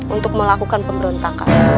untuk melakukan pemberontakan